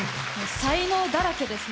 才能だらけですね。